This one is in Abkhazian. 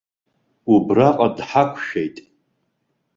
Убраҟа дҳақәшәеит.